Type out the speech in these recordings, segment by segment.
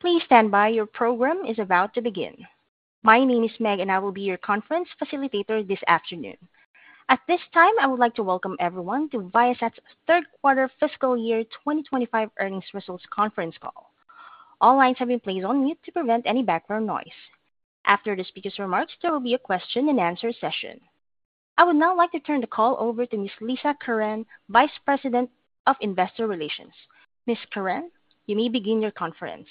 Please stand by, your program is about to begin. My name is Meg, and I will be your conference facilitator this afternoon. At this time, I would like to welcome everyone to Viasat's third quarter fiscal year 2025 earnings results conference call. All lines have been placed on mute to prevent any background noise. After the speakers' remarks, there will be a question-and-answer session. I would now like to turn the call over to Ms. Lisa Curran, Vice President of Investor Relations. Ms. Curran, you may begin your conference.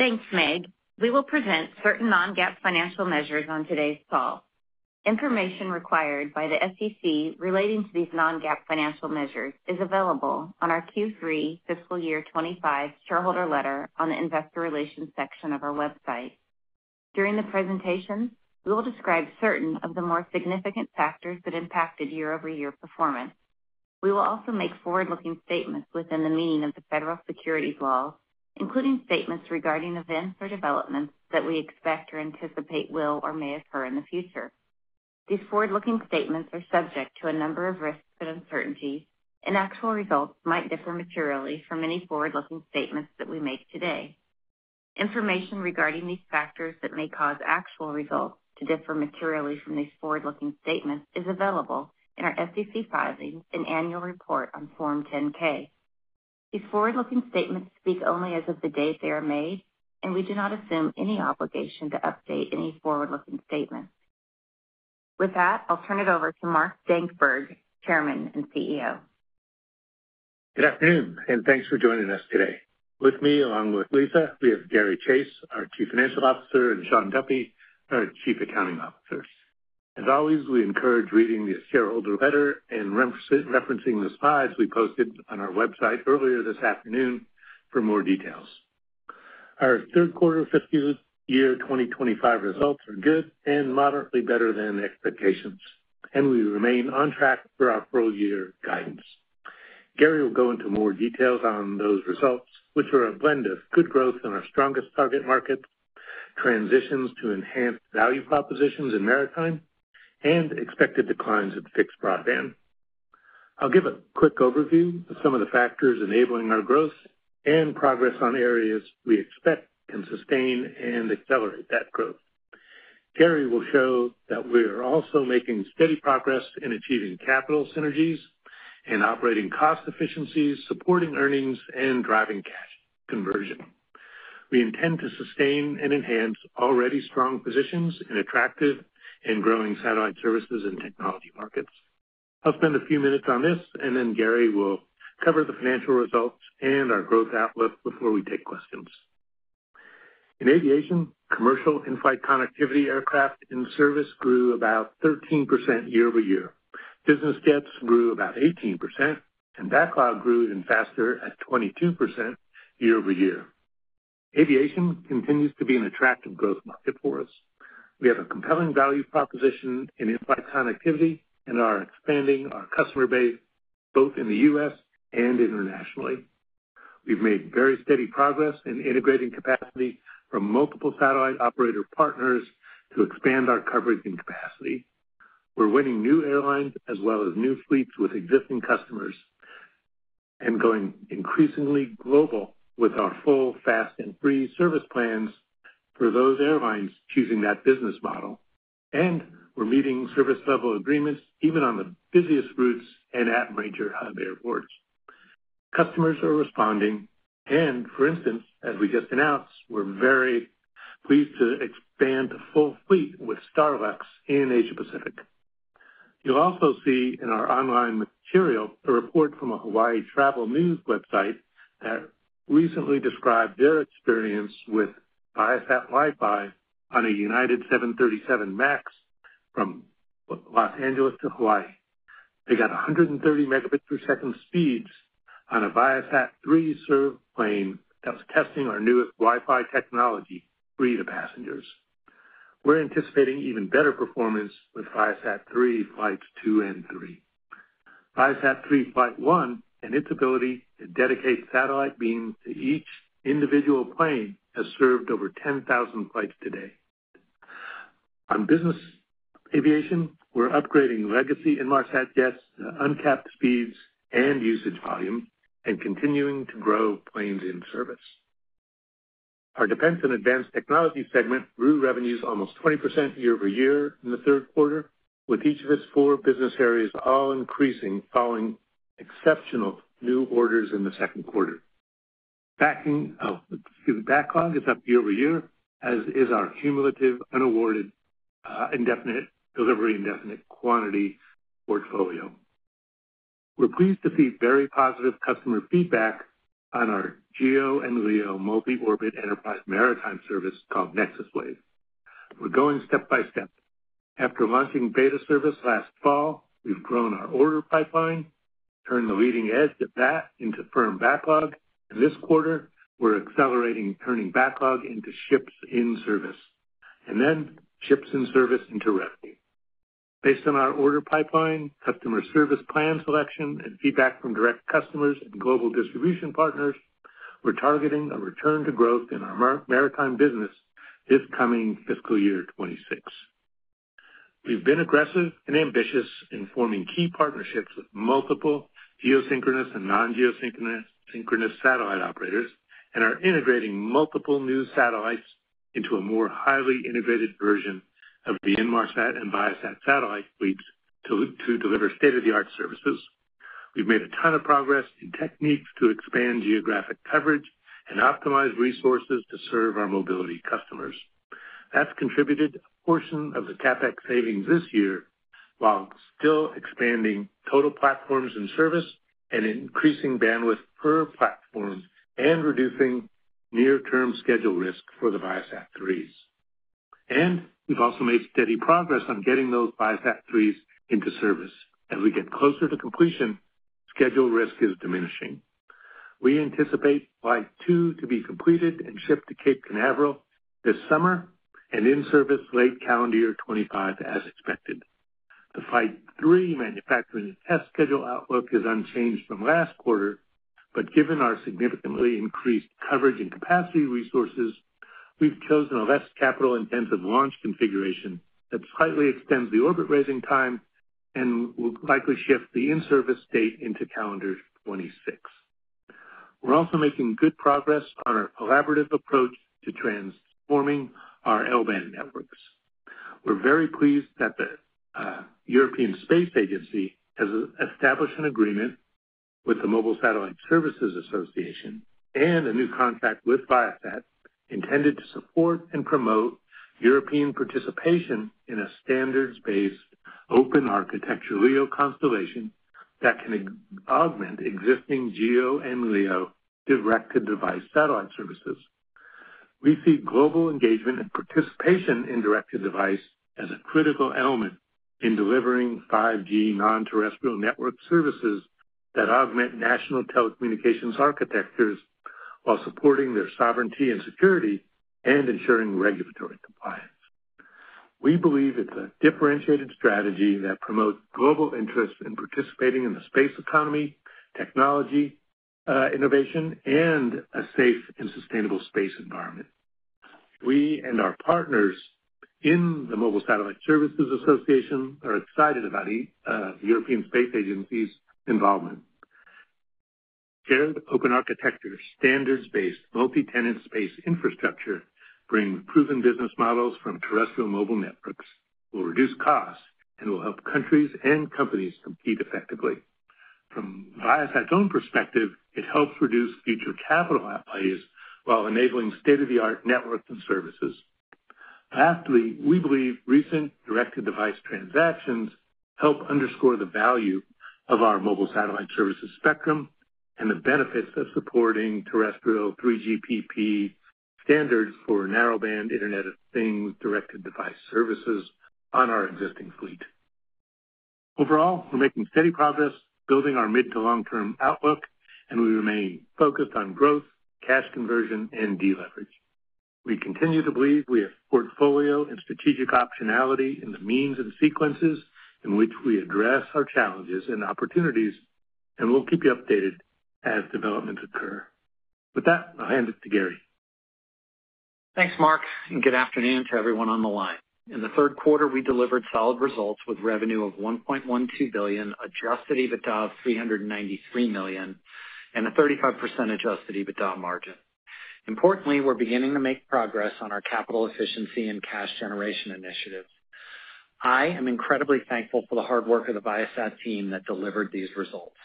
Thanks, Meg. We will present certain non-GAAP financial measures on today's call. Information required by the SEC relating to these non-GAAP financial measures is available on our Q3 fiscal year 2025 shareholder letter on the Investor Relations section of our website. During the presentation, we will describe certain of the more significant factors that impacted year-over-year performance. We will also make forward-looking statements within the meaning of the federal securities laws, including statements regarding events or developments that we expect or anticipate will or may occur in the future. These forward-looking statements are subject to a number of risks and uncertainties, and actual results might differ materially from any forward-looking statements that we make today. Information regarding these factors that may cause actual results to differ materially from these forward-looking statements is available in our SEC filing and annual report on Form 10-K. These forward-looking statements speak only as of the date they are made, and we do not assume any obligation to update any forward-looking statements. With that, I'll turn it over to Mark Dankberg, Chairman and CEO. Good afternoon, and thanks for joining us today. With me, along with Lisa, we have Gary Chase, our Chief Financial Officer, and Shawn Duffy, our Chief Accounting Officer. As always, we encourage reading the shareholder letter and referencing the slides we posted on our website earlier this afternoon for more details. Our third quarter fiscal year 2025 results are good and moderately better than expectations, and we remain on track for our full-year guidance. Gary will go into more details on those results, which are a blend of good growth in our strongest target markets, transitions to enhanced value propositions in maritime, and expected declines in fixed broadband. I'll give a quick overview of some of the factors enabling our growth and progress on areas we expect can sustain and accelerate that growth. Gary will show that we are also making steady progress in achieving capital synergies and operating cost efficiencies, supporting earnings and driving cash conversion. We intend to sustain and enhance already strong positions in attractive and growing satellite services and technology markets. I'll spend a few minutes on this, and then Gary will cover the financial results and our growth outlook before we take questions. In aviation, commercial in-flight connectivity aircraft in service grew about 13% year-over-year. Business jets grew about 18%, and backlog grew even faster at 22% year-over-year. Aviation continues to be an attractive growth market for us. We have a compelling value proposition in in-flight connectivity and are expanding our customer base both in the U.S. and internationally. We've made very steady progress in integrating capacity from multiple satellite operator partners to expand our coverage and capacity. We're winning new airlines as well as new fleets with existing customers and going increasingly global with our full, fast, and free service plans for those airlines choosing that business model, and we're meeting service-level agreements even on the busiest routes and at major hub airports. Customers are responding, and for instance, as we just announced, we're very pleased to expand a full fleet with Starlux in Asia-Pacific. You'll also see in our online material a report from a Hawaii Travel News website that recently described their experience with Viasat Wi-Fi on a United 737 MAX from Los Angeles to Hawaii. They got 130 Mb per second speeds on a ViaSat-3 served plane that was testing our newest Wi-Fi technology free to passengers. We're anticipating even better performance with ViaSat-3 Flights 2 and 3. ViaSat-3 Flight 1 and its ability to dedicate satellite beams to each individual plane has served over 10,000 flights today. On business aviation, we're upgrading legacy Inmarsat jets to uncapped speeds and usage volume and continuing to grow planes in service. Our defense and advanced technology segment grew revenues almost 20% year-over-year in the third quarter, with each of its four business areas all increasing following exceptional new orders in the second quarter. Backlog is up year-over-year, as is our cumulative unawarded indefinite delivery indefinite quantity portfolio. We're pleased to see very positive customer feedback on our GEO and LEO multi-orbit enterprise maritime service called NexusWave. We're going step by step. After launching beta service last fall, we've grown our order pipeline, turned the leading edge of that into firm backlog, and this quarter we're accelerating turning backlog into ships in service, and then ships in service into revenue. Based on our order pipeline, customer service plan selection, and feedback from direct customers and global distribution partners, we're targeting a return to growth in our maritime business this coming fiscal year 2026. We've been aggressive and ambitious in forming key partnerships with multiple geosynchronous and non-geosynchronous satellite operators and are integrating multiple new satellites into a more highly integrated version of the Inmarsat and Viasat satellite fleets to deliver state-of-the-art services. We've made a ton of progress in techniques to expand geographic coverage and optimize resources to serve our mobility customers. That's contributed a portion of the CapEx savings this year while still expanding total platforms in service and increasing bandwidth per platform and reducing near-term schedule risk for the ViaSat-3s, and we've also made steady progress on getting those ViaSat-3s into service. As we get closer to completion, schedule risk is diminishing. We anticipate Flight 2 to be completed and shipped to Cape Canaveral this summer and in service late calendar year 2025 as expected. The Flight 3 manufacturing and test schedule outlook is unchanged from last quarter, but given our significantly increased coverage and capacity resources, we've chosen a less capital-intensive launch configuration that slightly extends the orbit-raising time and will likely shift the in-service date into calendar year 2026. We're also making good progress on our collaborative approach to transforming our L-band networks. We're very pleased that the European Space Agency has established an agreement with the Mobile Satellite Services Association and a new contract with Viasat intended to support and promote European participation in a standards-based open architecture LEO constellation that can augment existing GEO and LEO direct-to-device satellite services. We see global engagement and participation in direct-to-device as a critical element in delivering 5G non-terrestrial network services that augment national telecommunications architectures while supporting their sovereignty and security and ensuring regulatory compliance. We believe it's a differentiated strategy that promotes global interest in participating in the space economy, technology innovation, and a safe and sustainable space environment. We and our partners in the Mobile Satellite Services Association are excited about European Space Agency's involvement. Shared open architecture, standards-based multi-tenant space infrastructure brings proven business models from terrestrial mobile networks, will reduce costs, and will help countries and companies compete effectively. From Viasat's own perspective, it helps reduce future capital outlay while enabling state-of-the-art networks and services. Lastly, we believe recent direct-to-device transactions help underscore the value of our mobile satellite services spectrum and the benefits of supporting terrestrial 3GPP standards for narrowband Internet of Things direct-to-device services on our existing fleet. Overall, we're making steady progress building our mid-to-long-term outlook, and we remain focused on growth, cash conversion, and de-leverage. We continue to believe we have portfolio and strategic optionality in the means and sequences in which we address our challenges and opportunities, and we'll keep you updated as developments occur. With that, I'll hand it to Gary. Thanks, Mark, and good afternoon to everyone on the line. In the third quarter, we delivered solid results with revenue of $1.12 billion, adjusted EBITDA of $393 million, and a 35% adjusted EBITDA margin. Importantly, we're beginning to make progress on our capital efficiency and cash generation initiatives. I am incredibly thankful for the hard work of the Viasat team that delivered these results.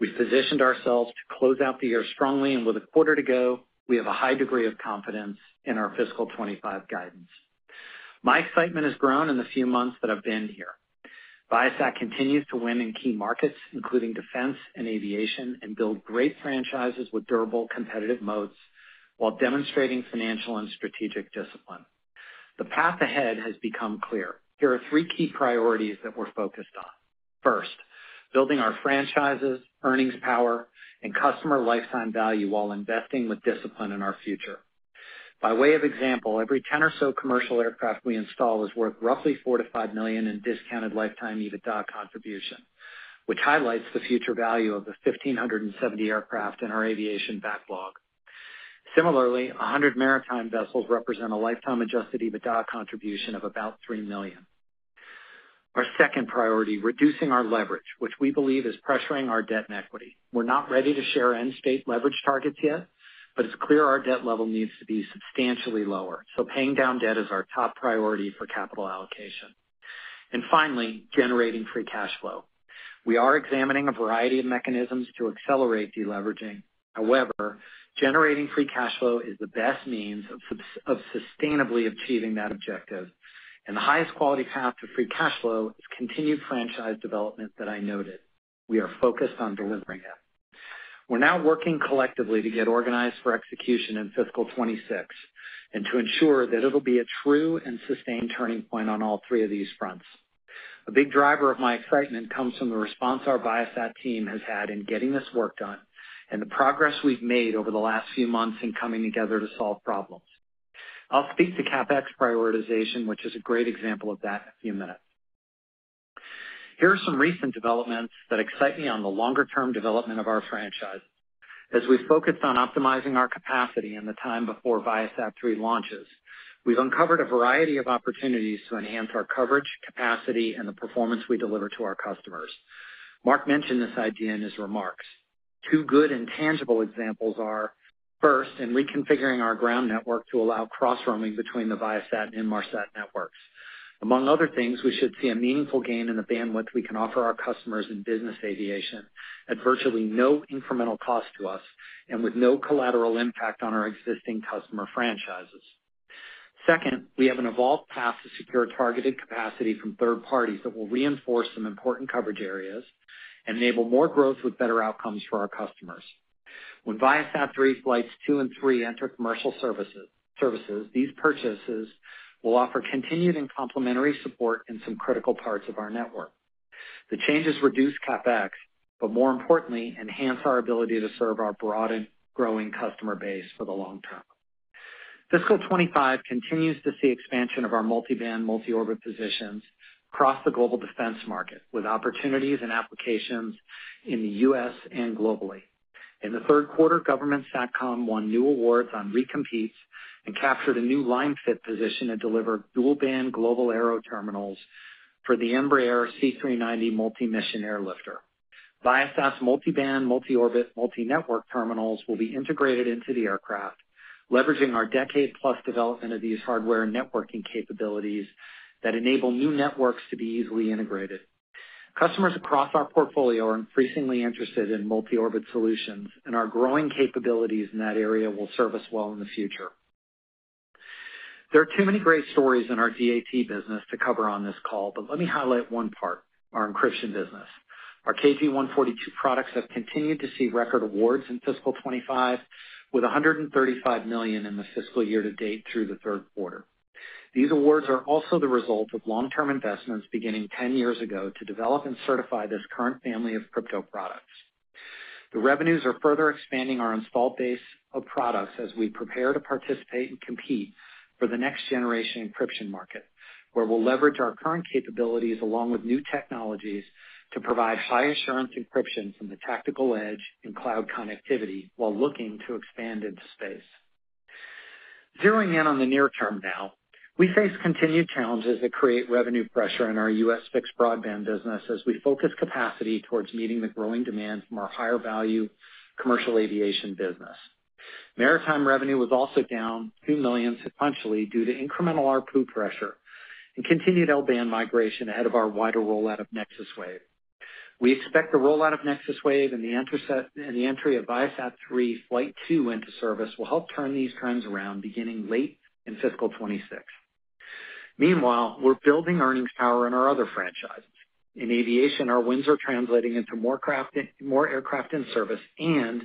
We've positioned ourselves to close out the year strongly, and with a quarter to go, we have a high degree of confidence in our fiscal 2025 guidance. My excitement has grown in the few months that I've been here. Viasat continues to win in key markets, including defense and aviation, and build great franchises with durable competitive moats while demonstrating financial and strategic discipline. The path ahead has become clear. Here are three key priorities that we're focused on. First, building our franchises, earnings power, and customer lifetime value while investing with discipline in our future. By way of example, every 10 or so commercial aircraft we install is worth roughly $4 million-$5 million in discounted lifetime EBITDA contribution, which highlights the future value of the 1,570 aircraft in our aviation backlog. Similarly, 100 maritime vessels represent a lifetime adjusted EBITDA contribution of about $3 million. Our second priority is reducing our leverage, which we believe is pressuring our debt and equity. We're not ready to share end-state leverage targets yet, but it's clear our debt level needs to be substantially lower, so paying down debt is our top priority for capital allocation, and finally, generating free cash flow. We are examining a variety of mechanisms to accelerate de-leveraging. However, generating free cash flow is the best means of sustainably achieving that objective, and the highest quality path to free cash flow is continued franchise development that I noted. We are focused on delivering it. We're now working collectively to get organized for execution in fiscal 2026 and to ensure that it'll be a true and sustained turning point on all three of these fronts. A big driver of my excitement comes from the response our Viasat team has had in getting this work done and the progress we've made over the last few months in coming together to solve problems. I'll speak to CapEx prioritization, which is a great example of that in a few minutes. Here are some recent developments that excite me on the longer-term development of our franchise. As we focus on optimizing our capacity in the time before ViaSat-3 launches, we've uncovered a variety of opportunities to enhance our coverage, capacity, and the performance we deliver to our customers. Mark mentioned this idea in his remarks. Two good and tangible examples are first in reconfiguring our ground network to allow cross-roaming between the Viasat and Inmarsat networks. Among other things, we should see a meaningful gain in the bandwidth we can offer our customers in business aviation at virtually no incremental cost to us and with no collateral impact on our existing customer franchises. Second, we have an evolved path to secure targeted capacity from third parties that will reinforce some important coverage areas and enable more growth with better outcomes for our customers. When ViaSat-3 Flights 2 and 3 enter commercial services, these purchases will offer continued and complementary support in some critical parts of our network. The changes reduce CapEx, but more importantly, enhance our ability to serve our broad and growing customer base for the long term. Fiscal 2025 continues to see expansion of our multi-band, multi-orbit positions across the global defense market with opportunities and applications in the U.S. and globally. In the third quarter, Government SATCOM won new awards on recompetes and captured a new line fit position to deliver dual-band global aero terminals for the Embraer C-390 multi-mission airlifter. Viasat's multi-band, multi-orbit, multi-network terminals will be integrated into the aircraft, leveraging our decade-plus development of these hardware networking capabilities that enable new networks to be easily integrated. Customers across our portfolio are increasingly interested in multi-orbit solutions, and our growing capabilities in that area will serve us well in the future. There are too many great stories in our DAT business to cover on this call, but let me highlight one part: our encryption business. Our KG-142 products have continued to see record awards in fiscal 2025 with $135 million in the fiscal year to date through the third quarter. These awards are also the result of long-term investments beginning 10 years ago to develop and certify this current family of crypto products. The revenues are further expanding our install base of products as we prepare to participate and compete for the next generation encryption market, where we'll leverage our current capabilities along with new technologies to provide high-assurance encryption from the tactical edge and cloud connectivity while looking to expand into space. Zeroing in on the near term now, we face continued challenges that create revenue pressure in our U.S. fixed broadband business as we focus capacity towards meeting the growing demand from our higher-value commercial aviation business. Maritime revenue was also down $2 million sequentially due to incremental ARPU pressure and continued L-band migration ahead of our wider rollout of NexusWave. We expect the rollout of NexusWave and the entry of ViaSat-3 Flight 2 into service will help turn these trends around beginning late in fiscal 26. Meanwhile, we're building earnings power in our other franchises. In aviation, our wins are translating into more aircraft in service, and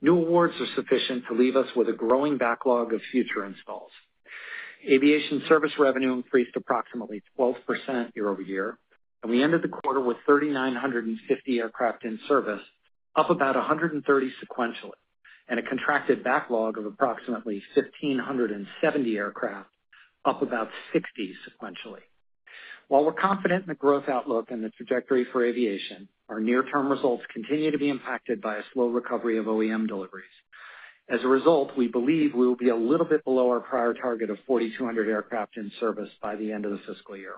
new awards are sufficient to leave us with a growing backlog of future installs. Aviation service revenue increased approximately 12% year-over-year, and we ended the quarter with 3,950 aircraft in service, up about 130 sequentially, and a contracted backlog of approximately 1,570 aircraft, up about 60 sequentially. While we're confident in the growth outlook and the trajectory for aviation, our near-term results continue to be impacted by a slow recovery of OEM deliveries. As a result, we believe we will be a little bit below our prior target of 4,200 aircraft in service by the end of the fiscal year.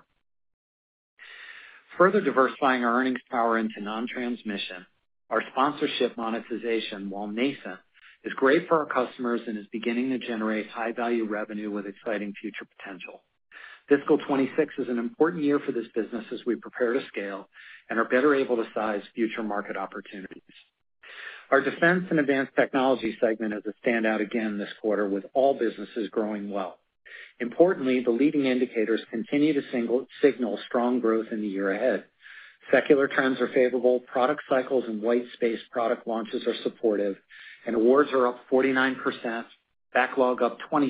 Further diversifying our earnings power into non-transmission, our sponsorship monetization, while nascent, is great for our customers and is beginning to generate high-value revenue with exciting future potential. Fiscal 26 is an important year for this business as we prepare to scale and are better able to size future market opportunities. Our defense and advanced technology segment is a standout again this quarter with all businesses growing well. Importantly, the leading indicators continue to signal strong growth in the year ahead. Secular trends are favorable, product cycles and white space product launches are supportive, and awards are up 49%, backlog up 26%,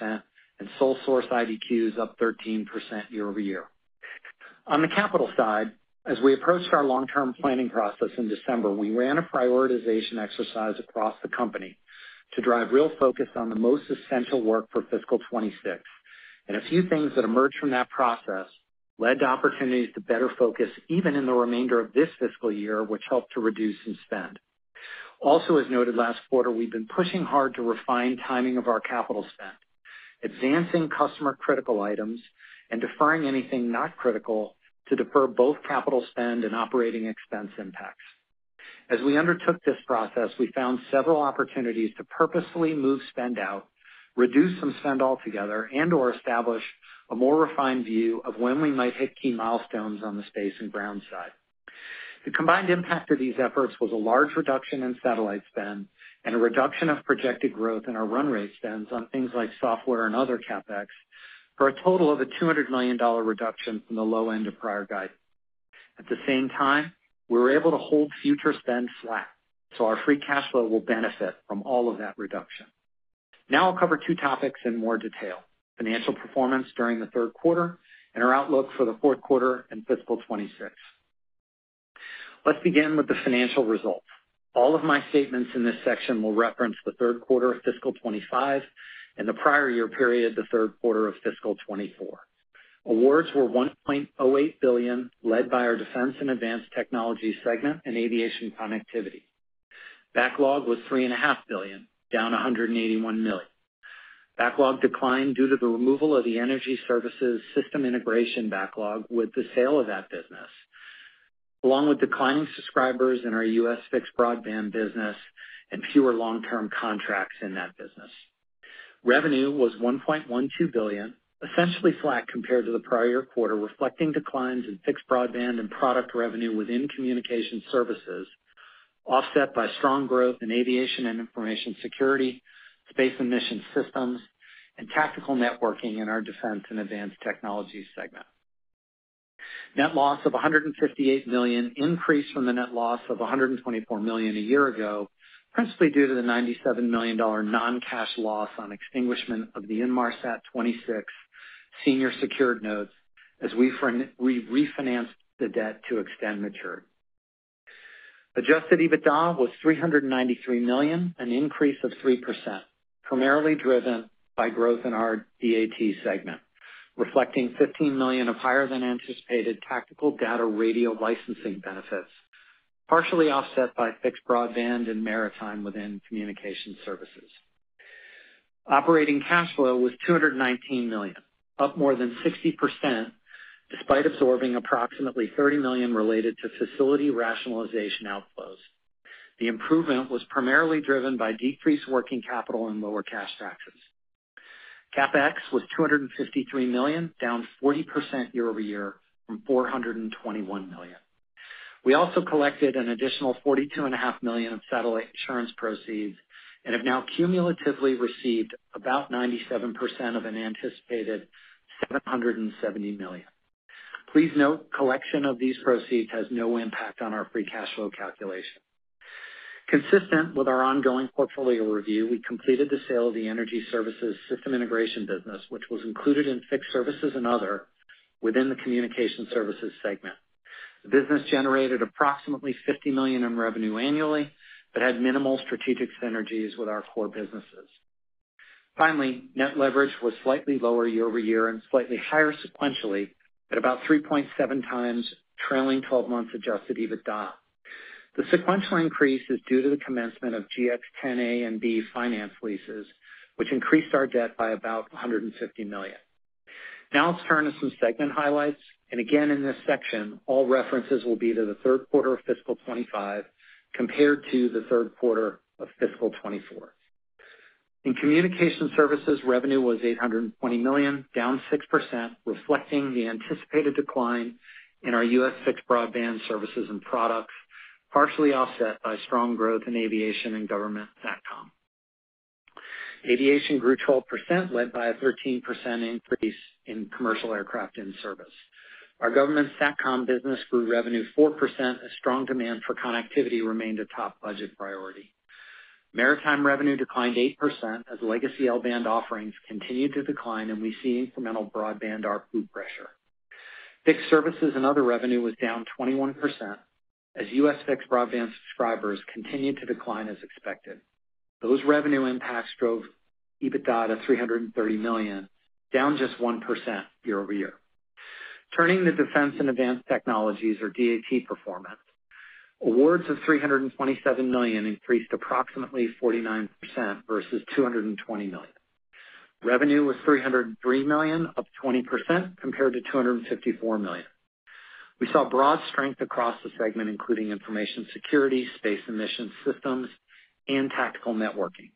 and sole source IDIQs up 13% year-over-year. On the capital side, as we approached our long-term planning process in December, we ran a prioritization exercise across the company to drive real focus on the most essential work for fiscal 2026, and a few things that emerged from that process led to opportunities to better focus even in the remainder of this fiscal year, which helped to reduce and spend. Also, as noted last quarter, we've been pushing hard to refine timing of our capital spend, advancing customer critical items and deferring anything not critical to defer both capital spend and operating expense impacts. As we undertook this process, we found several opportunities to purposefully move spend out, reduce some spend altogether, and/or establish a more refined view of when we might hit key milestones on the space and ground side. The combined impact of these efforts was a large reduction in satellite spend and a reduction of projected growth in our run rate spends on things like software and other CapEx for a total of a $200 million reduction from the low end of prior guidance. At the same time, we were able to hold future spend flat, so our free cash flow will benefit from all of that reduction. Now I'll cover two topics in more detail: financial performance during the third quarter and our outlook for the fourth quarter and fiscal 2026. Let's begin with the financial results. All of my statements in this section will reference the third quarter of fiscal 2025 and the prior year period, the third quarter of fiscal 2024. Awards were $1.08 billion, led by our defense and advanced technology segment and aviation connectivity. Backlog was $3.5 billion, down $181 million. Backlog declined due to the removal of the energy services system integration backlog with the sale of that business, along with declining subscribers in our U.S. fixed broadband business and fewer long-term contracts in that business. Revenue was $1.12 billion, essentially flat compared to the prior quarter, reflecting declines in fixed broadband and product revenue within Communication Services, offset by strong growth in aviation and information security, space and mission systems, and tactical networking in our defense and advanced technology segment. Net loss of $158 million increased from the net loss of $124 million a year ago, principally due to the $97 million non-cash loss on extinguishment of the Inmarsat 2026 senior secured notes as we refinanced the debt to extend maturity. Adjusted EBITDA was $393 million, an increase of 3%, primarily driven by growth in our DAT segment, reflecting $15 million of higher-than-anticipated tactical data radio licensing benefits, partially offset by fixed broadband and maritime within Communication Services. Operating cash flow was $219 million, up more than 60% despite absorbing approximately $30 million related to facility rationalization outflows. The improvement was primarily driven by decreased working capital and lower cash taxes. CapEx was $253 million, down 40% year-over-year from $421 million. We also collected an additional $42.5 million of satellite insurance proceeds and have now cumulatively received about 97% of an anticipated $770 million. Please note, collection of these proceeds has no impact on our free cash flow calculation. Consistent with our ongoing portfolio review, we completed the sale of the energy services system integration business, which was included in Fixed Services and Other within the Communication Services segment. The business generated approximately $50 million in revenue annually but had minimal strategic synergies with our core businesses. Finally, net leverage was slightly lower year-over-year and slightly higher sequentially at about 3.7x trailing 12 months adjusted EBITDA. The sequential increase is due to the commencement of GX10A and B finance leases, which increased our debt by about $150 million. Now let's turn to some segment highlights. And again, in this section, all references will be to the third quarter of fiscal 2025 compared to the third quarter of fiscal 2024. In Communication Services, revenue was $820 million, down 6%, reflecting the anticipated decline in our U.S. fixed broadband services and products, partially offset by strong growth in aviation and Government SATCOM. Aviation grew 12%, led by a 13% increase in commercial aircraft in service. Our Government SATCOM business grew revenue 4% as strong demand for connectivity remained a top budget priority. Maritime revenue declined 8% as legacy L-band offerings continued to decline, and we see incremental broadband ARPU pressure. Fixed Services and Other revenue was down 21% as U.S. fixed broadband subscribers continued to decline as expected. Those revenue impacts drove EBITDA to $330 million, down just 1% year-over-year. Turning to Defense and Advanced Technologies, or DAT performance, awards of $327 million increased approximately 49% versus $220 million. Revenue was $303 million, up 20%, compared to $254 million. We saw broad strength across the segment, including information security, space and mission systems, and tactical networking.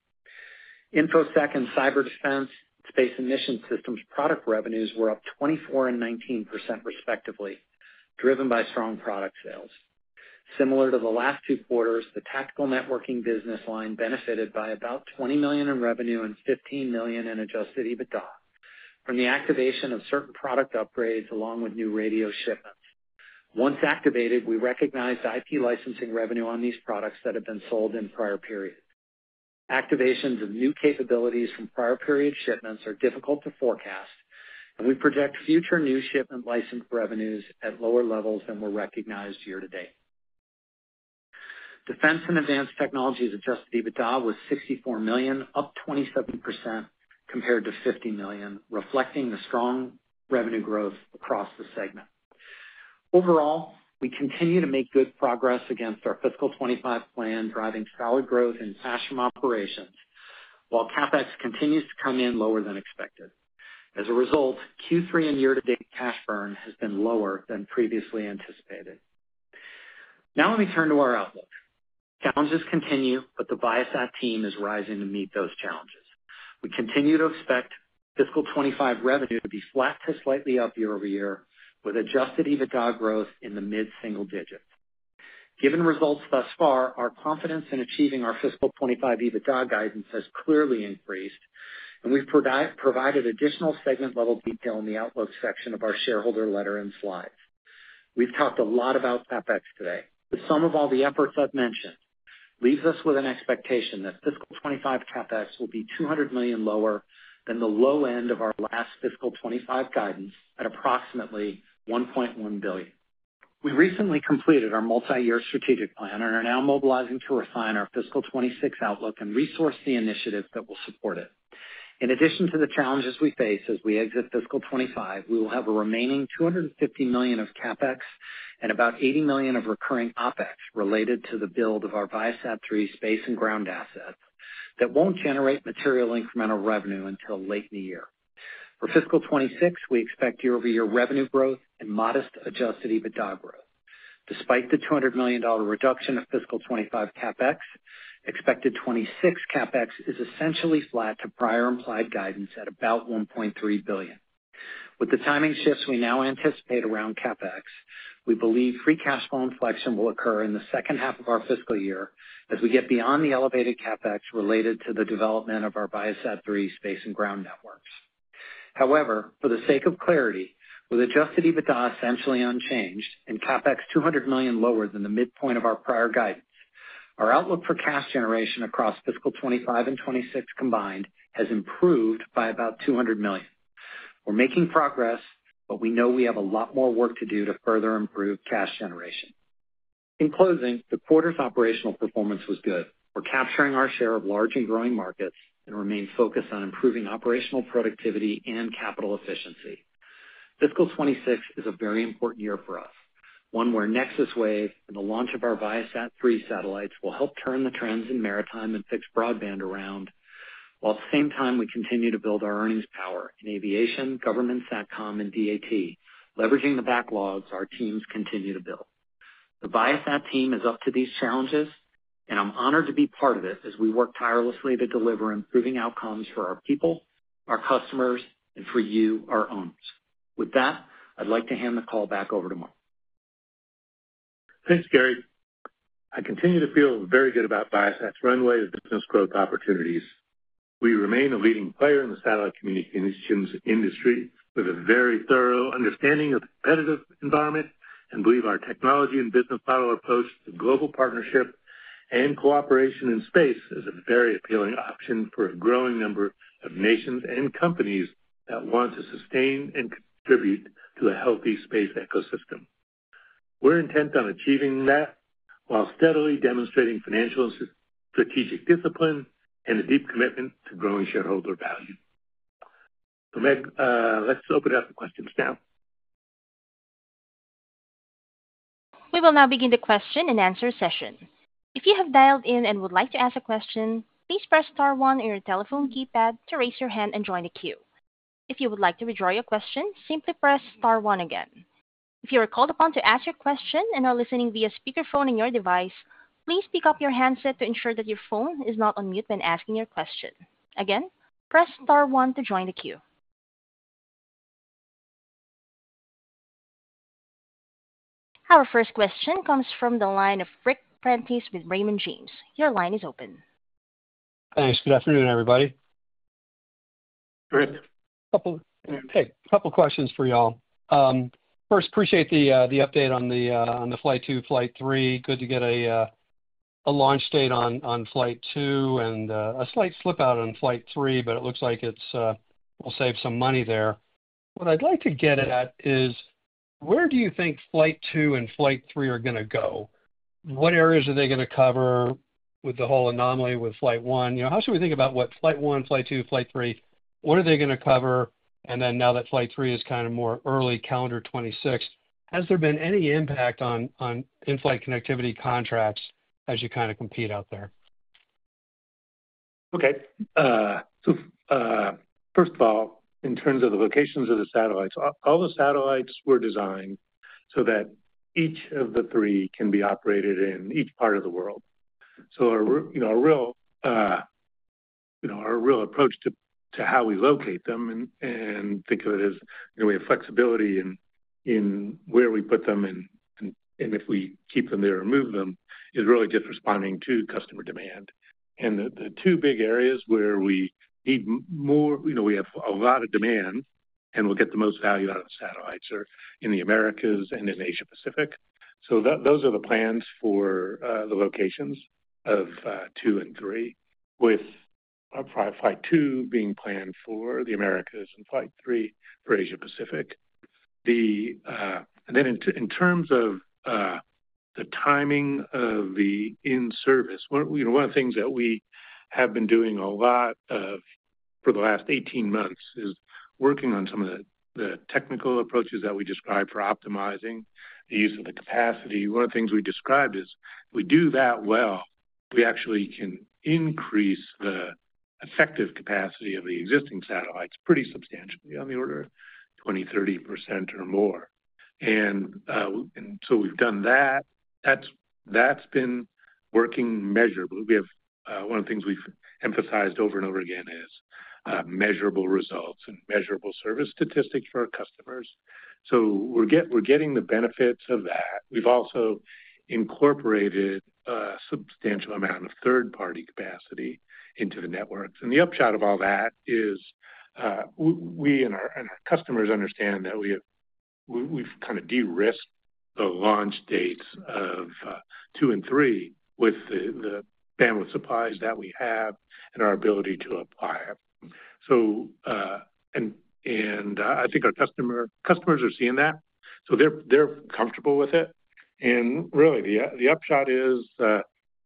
InfoSec and cyber defense space and mission systems product revenues were up 24% and 19% respectively, driven by strong product sales. Similar to the last two quarters, the tactical networking business line benefited by about $20 million in revenue and $15 million in adjusted EBITDA from the activation of certain product upgrades along with new radio shipments. Once activated, we recognized IP licensing revenue on these products that had been sold in prior periods. Activations of new capabilities from prior period shipments are difficult to forecast, and we project future new shipment license revenues at lower levels than were recognized year to date. Defense and Advanced Technologies Adjusted EBITDA was $64 million, up 27% compared to $50 million, reflecting the strong revenue growth across the segment. Overall, we continue to make good progress against our fiscal 2025 plan, driving solid growth in cash from operations, while CapEx continues to come in lower than expected. As a result, Q3 and year-to-date cash burn has been lower than previously anticipated. Now let me turn to our outlook. Challenges continue, but the Viasat team is rising to meet those challenges. We continue to expect fiscal 2025 revenue to be flat to slightly up year-over-year, with Adjusted EBITDA growth in the mid-single digits. Given results thus far, our confidence in achieving our fiscal 2025 EBITDA guidance has clearly increased, and we've provided additional segment-level detail in the outlook section of our shareholder letter and slides. We've talked a lot about CapEx today. The sum of all the efforts I've mentioned leaves us with an expectation that fiscal 2025 CapEx will be $200 million lower than the low end of our last fiscal 2025 guidance at approximately $1.1 billion. We recently completed our multi-year strategic plan and are now mobilizing to refine our fiscal 2026 outlook and resource the initiatives that will support it. In addition to the challenges we face as we exit fiscal 25, we will have a remaining $250 million of CapEx and about $80 million of recurring OpEx related to the build of our ViaSat-3 space and ground assets that won't generate material incremental revenue until late in the year. For fiscal 26, we expect year-over-year revenue growth and modest Adjusted EBITDA growth. Despite the $200 million reduction of fiscal 25 CapEx, expected 26 CapEx is essentially flat to prior implied guidance at about $1.3 billion. With the timing shifts we now anticipate around CapEx, we believe free cash flow inflection will occur in the second half of our fiscal year as we get beyond the elevated CapEx related to the development of our ViaSat-3 space and ground networks. However, for the sake of clarity, with Adjusted EBITDA essentially unchanged and CapEx $200 million lower than the midpoint of our prior guidance, our outlook for cash generation across fiscal 2025 and 2026 combined has improved by about $200 million. We're making progress, but we know we have a lot more work to do to further improve cash generation. In closing, the quarter's operational performance was good. We're capturing our share of large and growing markets and remain focused on improving operational productivity and capital efficiency. Fiscal 2026 is a very important year for us, one where NexusWave and the launch of our Viasat-3 satellites will help turn the trends in maritime and fixed broadband around, while at the same time we continue to build our earnings power in aviation, Government SATCOM, and DAT, leveraging the backlogs our teams continue to build. The Viasat team is up to these challenges, and I'm honored to be part of it as we work tirelessly to deliver improving outcomes for our people, our customers, and for you, our owners. With that, I'd like to hand the call back over to Mark. Thanks, Gary. I continue to feel very good about Viasat's runway of business growth opportunities. We remain a leading player in the satellite communications industry with a very thorough understanding of the competitive environment and believe our technology and business model approach to global partnership and cooperation in space is a very appealing option for a growing number of nations and companies that want to sustain and contribute to a healthy space ecosystem. We're intent on achieving that while steadily demonstrating financial and strategic discipline and a deep commitment to growing shareholder value. Let's open it up to questions now. We will now begin the question-and-answer session. If you have dialed in and would like to ask a question, please press star one on your telephone keypad to raise your hand and join the queue. If you would like to withdraw your question, simply press star one again. If you are called upon to ask your question and are listening via speakerphone on your device, please pick up your handset to ensure that your phone is not on mute when asking your question. Again, press star one to join the queue. Our first question comes from the line of Ric Prentiss with Raymond James. Your line is open. Thanks. Good afternoon, everybody. Ric. A couple of questions for y'all. First, appreciate the update on the Flight 2, Flight 3. Good to get a launch date on Flight 2 and a slight slip out on Flight 3, but it looks like it'll save some money there. What I'd like to get at is where do you think Flight 2 and Flight 3 are going to go? What areas are they going to cover with the whole anomaly with Flight 1? How should we think about what Flight 1, Flight 2, Flight 3? What are they going to cover? And then now that Flight 3 is kind of more early calendar 2026, has there been any impact on in-flight connectivity contracts as you kind of compete out there? Okay. First of all, in terms of the locations of the satellites, all the satellites were designed so that each of the three can be operated in each part of the world. So our real approach to how we locate them and think of it as we have flexibility in where we put them and if we keep them there or move them is really just responding to customer demand. And the two big areas where we need more, we have a lot of demand and we'll get the most value out of the satellites are in the Americas and in Asia-Pacific. So those are the plans for the locations of two and three, with Flight 2 being planned for the Americas and Flight 3 for Asia-Pacific. And then in terms of the timing of the in-service, one of the things that we have been doing a lot of for the last 18 months is working on some of the technical approaches that we described for optimizing the use of the capacity. One of the things we described is if we do that well, we actually can increase the effective capacity of the existing satellites pretty substantially, on the order of 20%-30% or more. And so we've done that. That's been working measurably. One of the things we've emphasized over and over again is measurable results and measurable service statistics for our customers. So we're getting the benefits of that. We've also incorporated a substantial amount of third-party capacity into the networks. And the upshot of all that is we and our customers understand that we've kind of de-risked the launch dates of two and three with the bandwidth supplies that we have and our ability to apply it. And I think our customers are seeing that. So they're comfortable with it. Really, the upshot is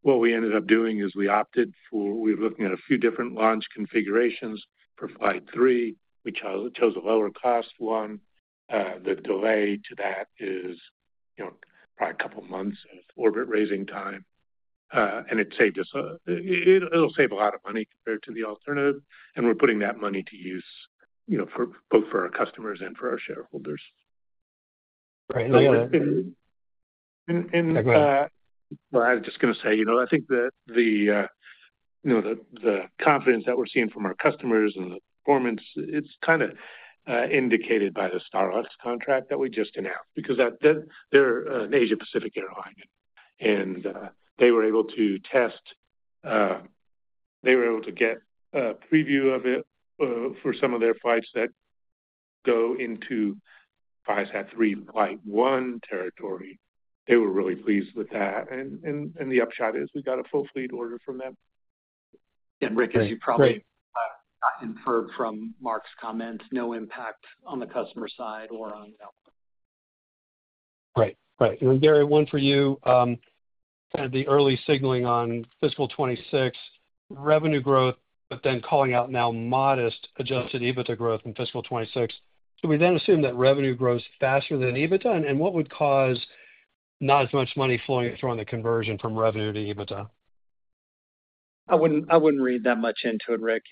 what we ended up doing is we opted for we were looking at a few different launch configurations for Flight 3. We chose a lower-cost one. The delay to that is probably a couple of months of orbit-raising time. It saved us. It will save a lot of money compared to the alternative. We are putting that money to use both for our customers and for our shareholders. I was just going to say, I think that the confidence that we are seeing from our customers and the performance. It is kind of indicated by the Starlux contract that we just announced because they are an Asia-Pacific airline. They were able to get a preview of it for some of their flights that go into ViaSat-3 Flight 1 territory. They were really pleased with that. The upshot is we got a full fleet order from them. Ric, as you probably inferred from Mark's comments, no impact on the customer side or on. Right. Right. Gary, one for you. Kind of the early signaling on fiscal 2026 revenue growth, but then calling out now modest adjusted EBITDA growth in fiscal 2026. Should we then assume that revenue grows faster than EBITDA? And what would cause not as much money flowing through on the conversion from revenue to EBITDA? I wouldn't read that much into it, Rick.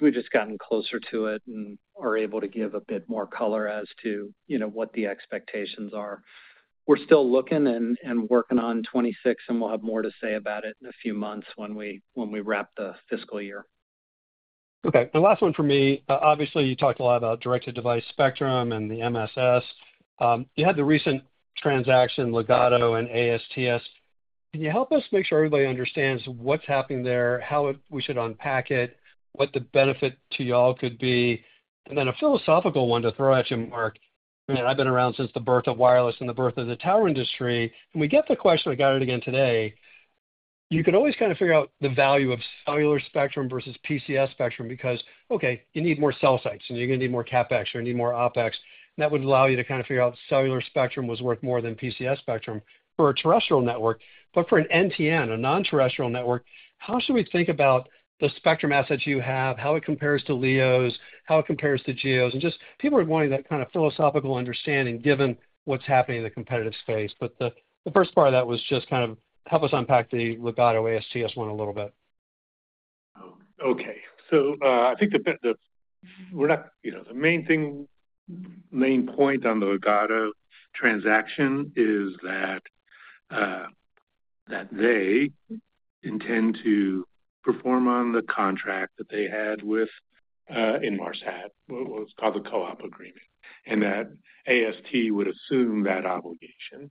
We've just gotten closer to it and are able to give a bit more color as to what the expectations are. We're still looking and working on 2026, and we'll have more to say about it in a few months when we wrap the fiscal year. Okay. Last one for me. Obviously, you talked a lot about direct-to-device spectrum and the MSS. You had the recent transaction, Ligado and ASTS. Can you help us make sure everybody understands what's happening there, how we should unpack it, what the benefit to y'all could be? And then a philosophical one to throw at you, Mark. I mean, I've been around since the birth of wireless and the birth of the tower industry. And we get the question I got it again today. You could always kind of figure out the value of cellular spectrum versus PCS spectrum because, okay, you need more cell sites, and you're going to need more CapEx, or you need more OpEx. That would allow you to kind of figure out cellular spectrum was worth more than PCS spectrum for a terrestrial network. But for an NTN, a non-terrestrial network, how should we think about the spectrum assets you have, how it compares to LEO's, how it compares to GEO's? And just people are wanting that kind of philosophical understanding given what's happening in the competitive space. But the first part of that was just kind of help us unpack the Ligado ASTS one a little bit. Okay. So I think the main thing, main point on the Ligado transaction is that they intend to perform on the contract that they had with Inmarsat, what's called the co-op agreement, and that AST would assume that obligation.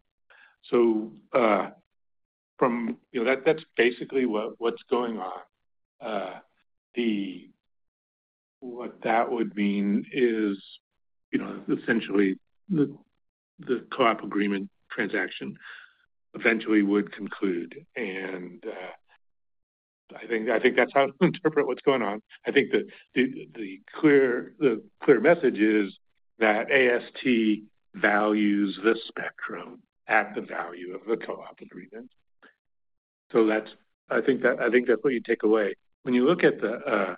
So that's basically what's going on. What that would mean is essentially the co-op agreement transaction eventually would conclude. And I think that's how to interpret what's going on. I think the clear message is that AST values the spectrum at the value of the co-op agreement. So I think that's what you take away. When you look at it,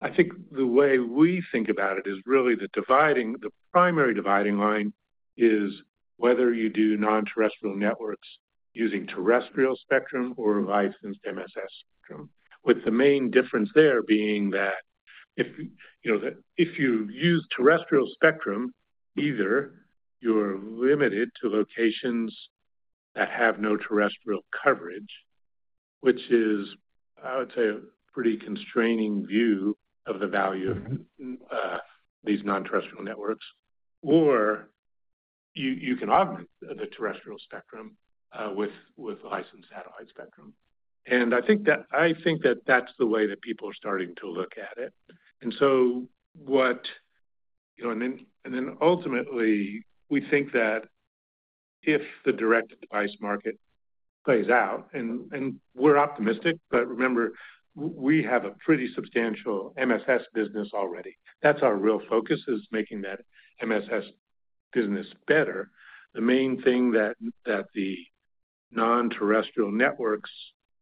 I think the way we think about it is really the primary dividing line is whether you do non-terrestrial networks using terrestrial spectrum or licensed MSS spectrum, with the main difference there being that if you use terrestrial spectrum, either you're limited to locations that have no terrestrial coverage, which is, I would say, a pretty constraining view of the value of these non-terrestrial networks, or you can augment the terrestrial spectrum with licensed satellite spectrum. And I think that that's the way that people are starting to look at it. And then ultimately, we think that if the direct device market plays out, and we're optimistic, but remember, we have a pretty substantial MSS business already. That's our real focus, is making that MSS business better. The main thing that the non-terrestrial networks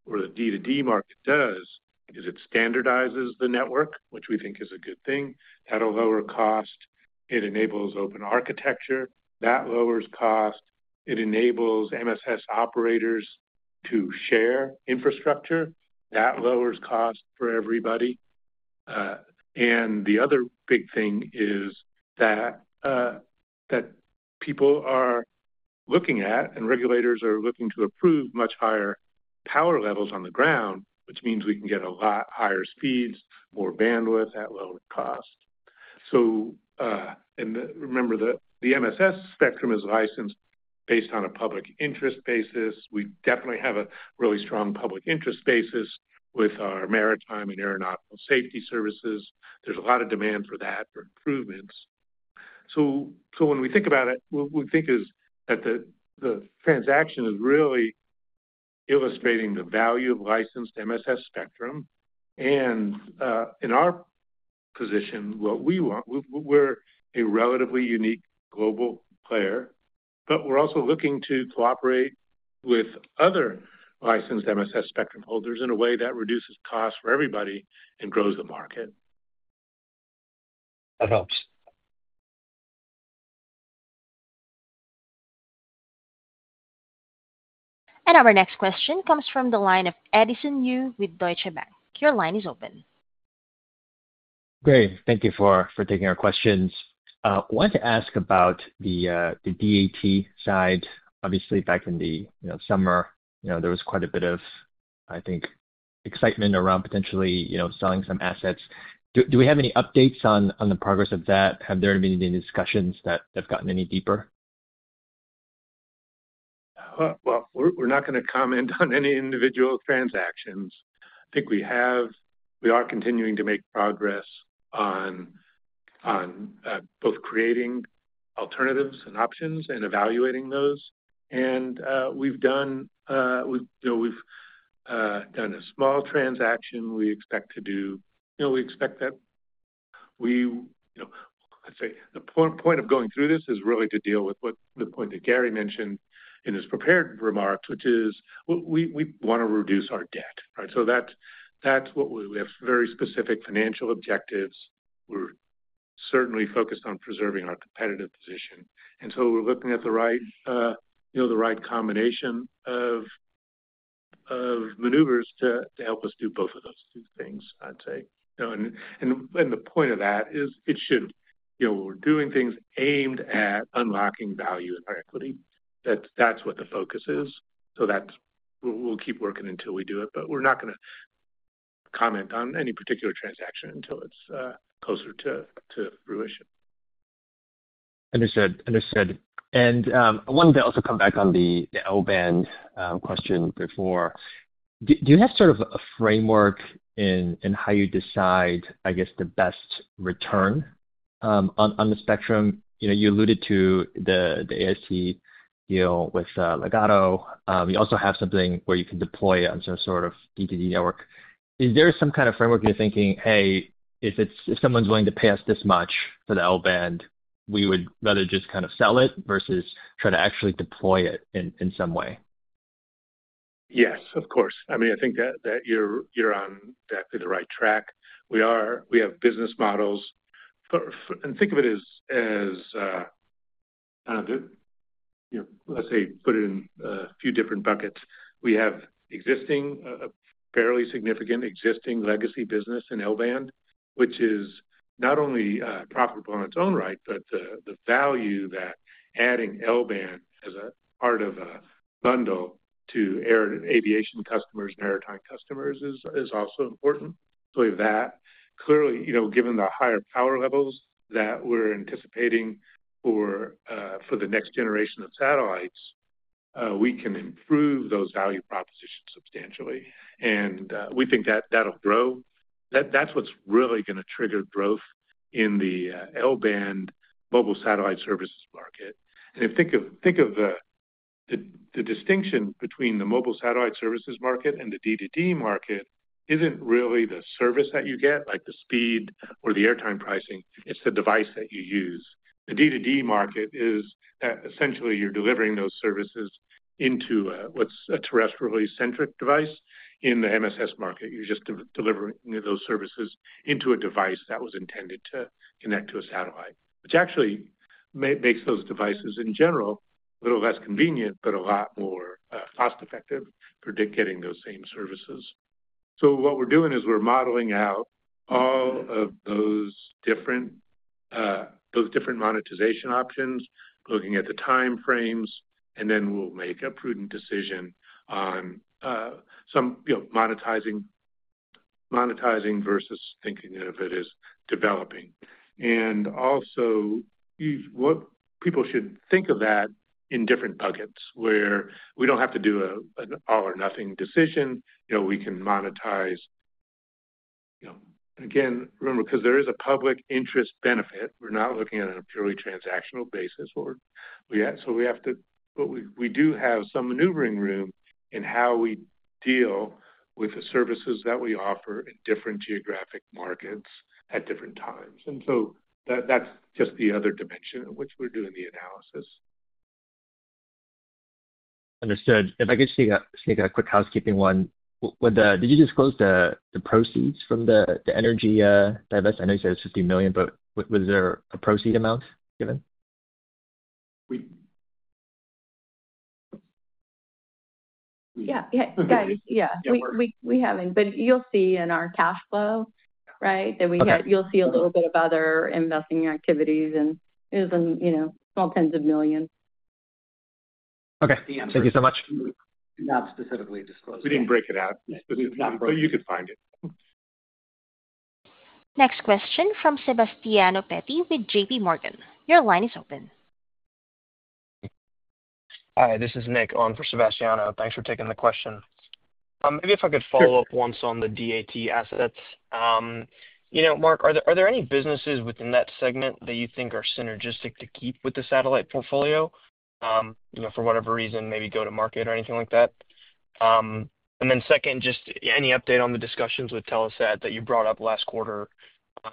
or the D2D market does is it standardizes the network, which we think is a good thing. That'll lower cost. It enables open architecture. That lowers cost. It enables MSS operators to share infrastructure. That lowers cost for everybody, and the other big thing is that people are looking at and regulators are looking to approve much higher power levels on the ground, which means we can get a lot higher speeds, more bandwidth at lower cost, and remember, the MSS spectrum is licensed based on a public interest basis. We definitely have a really strong public interest basis with our maritime and aeronautical safety services. There's a lot of demand for that, for improvements, so when we think about it, what we think is that the transaction is really illustrating the value of licensed MSS spectrum. And in our position, what we want, we're a relatively unique global player, but we're also looking to cooperate with other licensed MSS spectrum holders in a way that reduces costs for everybody and grows the market. That helps. And our next question comes from the line of Edison Yu with Deutsche Bank. Your line is open. Great. Thank you for taking our questions. I wanted to ask about the DAT side. Obviously, back in the summer, there was quite a bit of, I think, excitement around potentially selling some assets. Do we have any updates on the progress of that? Have there been any discussions that have gotten any deeper? Well, we're not going to comment on any individual transactions. I think we are continuing to make progress on both creating alternatives and options and evaluating those. And we've done a small transaction. We expect that we, let's say the point of going through this is really to deal with the point that Gary mentioned in his prepared remarks, which is we want to reduce our debt. So that's what we have very specific financial objectives. We're certainly focused on preserving our competitive position. And so we're looking at the right combination of maneuvers to help us do both of those two things, I'd say. And the point of that is we're doing things aimed at unlocking value in our equity. That's what the focus is. So we'll keep working until we do it. But we're not going to comment on any particular transaction until it's closer to fruition. Understood. Understood. And I wanted to also come back on the L-band question before. Do you have sort of a framework in how you decide, I guess, the best return on the spectrum? You alluded to the AST deal with Ligado. You also have something where you can deploy it on some sort of D2D network. Is there some kind of framework you're thinking, "Hey, if someone's willing to pay us this much for the L-band, we would rather just kind of sell it versus try to actually deploy it in some way"? Yes, of course. I mean, I think that you're on exactly the right track. We have business models, and think of it as, let's say, put it in a few different buckets. We have a fairly significant existing legacy business in L-band, which is not only profitable in its own right, but the value that adding L-band as a part of a bundle to aviation customers, maritime customers, is also important. So with that, clearly, given the higher power levels that we're anticipating for the next generation of satellites, we can improve those value propositions substantially. And we think that that'll grow. That's what's really going to trigger growth in the L-band mobile satellite services market. And think of the distinction between the mobile satellite services market and the D2D market isn't really the service that you get, like the speed or the airtime pricing. It's the device that you use. The D2D market is that essentially you're delivering those services into what's a terrestrially centric device. In the MSS market, you're just delivering those services into a device that was intended to connect to a satellite, which actually makes those devices in general a little less convenient, but a lot more cost-effective for getting those same services. So what we're doing is we're modeling out all of those different monetization options, looking at the time frames, and then we'll make a prudent decision on monetizing versus thinking of it as developing. And also, people should think of that in different buckets where we don't have to do an all-or-nothing decision. We can monetize. Again, remember, because there is a public interest benefit, we're not looking at a purely transactional basis. So we have to, but we do have some maneuvering room in how we deal with the services that we offer in different geographic markets at different times. And so that's just the other dimension in which we're doing the analysis. Understood. If I could just take a quick housekeeping one. Did you disclose the proceeds from the energy divest? I know you said it's $50 million, but was there a proceeds amount given? Yeah. Yeah. Yeah. We haven't. But you'll see in our cash flow, right, that you'll see a little bit of other investing activities, and it was in small tens of millions. Okay. Thank you so much. Not specifically disclosed. We didn't break it out. But you could find it. Next question from Sebastiano Petti with JPMorgan. Your line is open. Hi. This is Nick on for Sebastiano. Thanks for taking the question. Maybe if I could follow up once on the DAT assets. Mark, are there any businesses within that segment that you think are synergistic to keep with the satellite portfolio for whatever reason, maybe go to market or anything like that? And then second, just any update on the discussions with Telesat that you brought up last quarter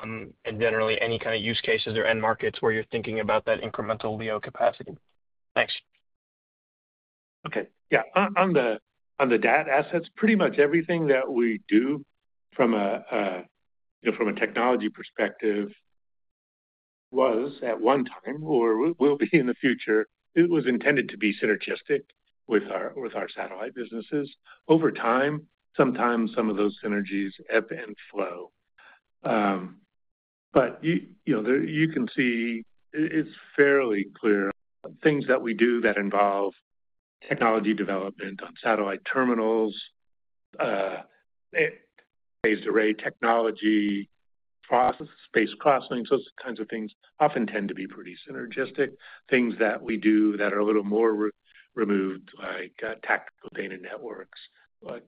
and generally any kind of use cases or end markets where you're thinking about that incremental Leo capacity? Thanks. Okay. Yeah. On the DAT assets, pretty much everything that we do from a technology perspective was at one time or will be in the future. It was intended to be synergistic with our satellite businesses. Over time, sometimes some of those synergies ebb and flow. But you can see it's fairly clear. Things that we do that involve technology development on satellite terminals, phased array technology, space crossing, those kinds of things often tend to be pretty synergistic. Things that we do that are a little more removed, like tactical data networks,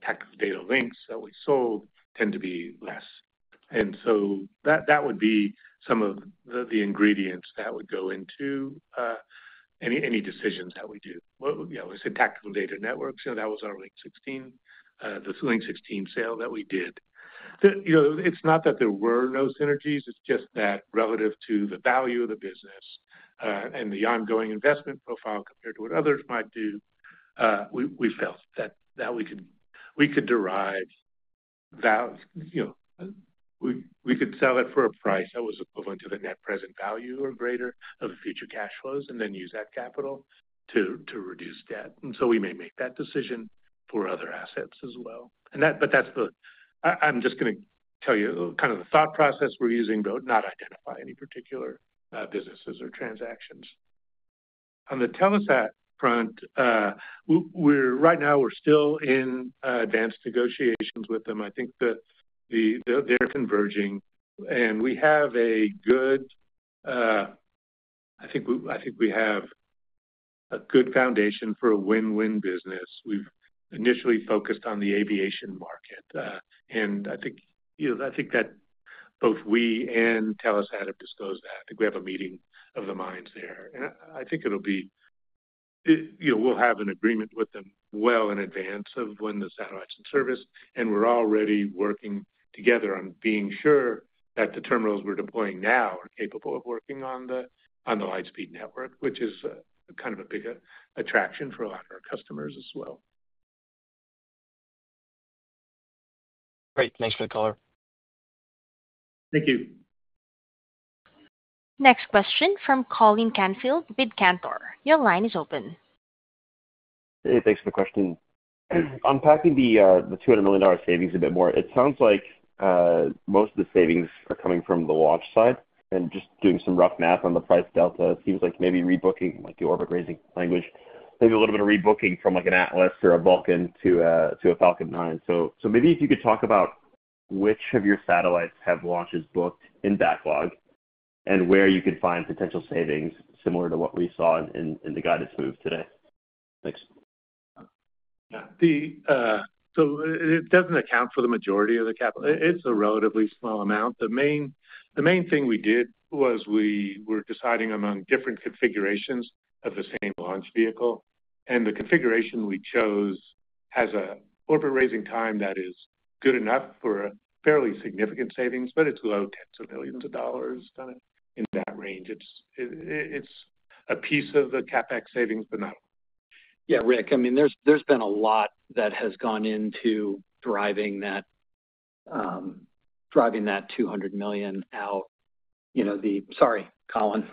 tactical data links that we sold, tend to be less. And so that would be some of the ingredients that would go into any decisions that we do. We said tactical data networks. That was our Link 16, the Link 16 sale that we did. It's not that there were no synergies. It's just that relative to the value of the business and the ongoing investment profile compared to what others might do, we felt that we could derive value. We could sell it for a price that was equivalent to the net present value or greater of future cash flows and then use that capital to reduce debt. So we may make that decision for other assets as well. But I'm just going to tell you kind of the thought process we're using, but not identify any particular businesses or transactions. On the Telesat front, right now, we're still in advanced negotiations with them. I think they're converging. And we have a good foundation, I think, for a win-win business. We've initially focused on the aviation market. And I think that both we and Telesat have disclosed that. I think we have a meeting of the minds there. I think we'll have an agreement with them well in advance of when the satellites are in service. And we're already working together on being sure that the terminals we're deploying now are capable of working on the Lightspeed network, which is kind of a big attraction for a lot of our customers as well. Great. Thanks for the caller. Thank you. Next question from Colin Canfield with Cantor. Your line is open. Hey. Thanks for the question. Unpacking the $200 million savings a bit more, it sounds like most of the savings are coming from the launch side. And just doing some rough math on the price delta, it seems like maybe rebooking, like the orbit raising language, maybe a little bit of rebooking from an Atlas or a Vulcan to a Falcon 9. So maybe if you could talk about which of your satellites have launches booked in backlog and where you could find potential savings similar to what we saw in the guidance move today. Thanks. Yeah, so it doesn't account for the majority of the capital. It's a relatively small amount. The main thing we did was we were deciding among different configurations of the same launch vehicle. And the configuration we chose has an orbit raising time that is good enough for fairly significant savings, but it's low tens of millions of dollars, kind of in that range. It's a piece of the CapEx savings, but not. Yeah, Rick, I mean, there's been a lot that has gone into driving that $200 million out. Sorry, Colin.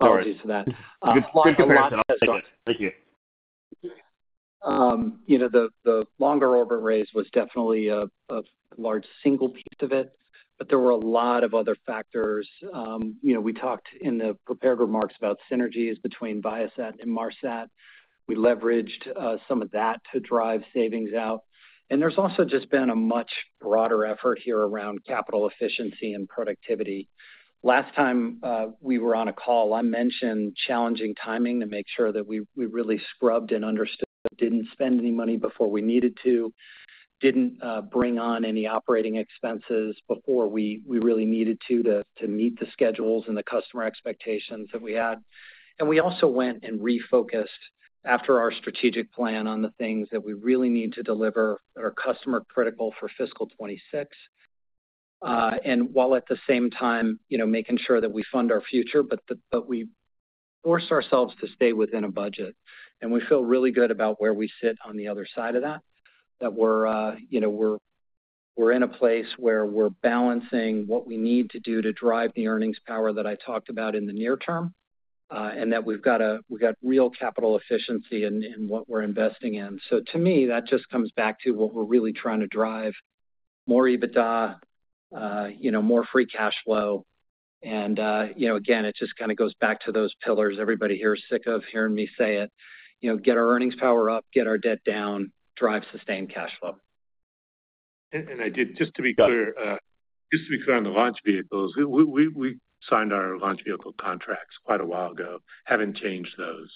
Apologies for that. Thank you. The longer orbit raise was definitely a large single piece of it, but there were a lot of other factors. We talked in the prepared remarks about synergies between Viasat and Inmarsat. We leveraged some of that to drive savings out. And there's also just been a much broader effort here around capital efficiency and productivity. Last time we were on a call, I mentioned challenging timing to make sure that we really scrubbed and understood, didn't spend any money before we needed to, didn't bring on any operating expenses before we really needed to to meet the schedules and the customer expectations that we had. And we also went and refocused after our strategic plan on the things that we really need to deliver that are customer-critical for fiscal 2026. While at the same time making sure that we fund our future, but we forced ourselves to stay within a budget. We feel really good about where we sit on the other side of that, that we're in a place where we're balancing what we need to do to drive the earnings power that I talked about in the near term and that we've got real capital efficiency in what we're investing in. To me, that just comes back to what we're really trying to drive: more EBITDA, more free cash flow. Again, it just kind of goes back to those pillars everybody here is sick of hearing me say it: get our earnings power up, get our debt down, drive sustained cash flow. And just to be clear, just to be clear on the launch vehicles, we signed our launch vehicle contracts quite a while ago, haven't changed those.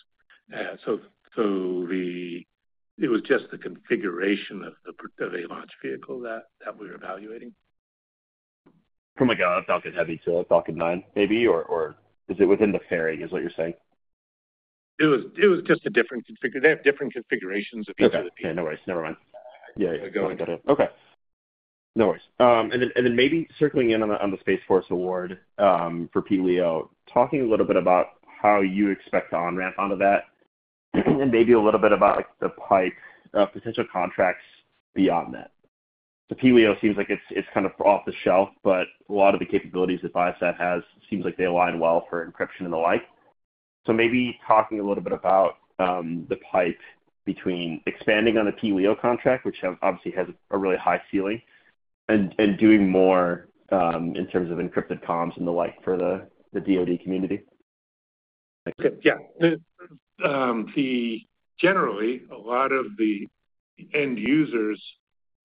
So it was just the configuration of a launch vehicle that we were evaluating. From a Vulcan, Falcon Heavy to a Falcon 9, maybe? Or is it within the family is what you're saying? It was just a different configuration. They have different configurations of each of the vehicles. Okay. No worries. Never mind. Yeah. Yeah. Go ahead. Okay. No worries. And then maybe circling in on the Space Force award for PLEO, talking a little bit about how you expect to on-ramp onto that, and maybe a little bit about the potential contracts beyond that. The PLEO seems like it's kind of off the shelf, but a lot of the capabilities that Viasat has seems like they align well for encryption and the like. So maybe talking a little bit about the pipe between expanding on the PLEO contract, which obviously has a really high ceiling, and doing more in terms of encrypted comms and the like for the DOD community. Yeah. Generally, a lot of the end users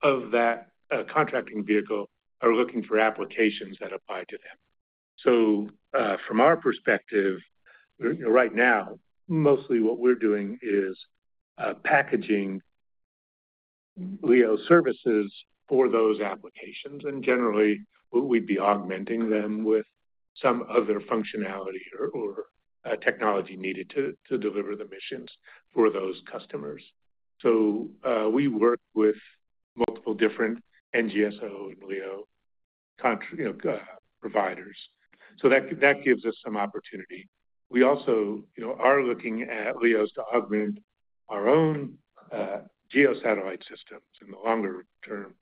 of that contracting vehicle are looking for applications that apply to them. So from our perspective, right now, mostly what we're doing is packaging LEO services for those applications. And generally, we'd be augmenting them with some other functionality or technology needed to deliver the missions for those customers. So we work with multiple different NGSO and LEO providers. So that gives us some opportunity. We also are looking at LEOs to augment our own GEO satellite systems in the longer term,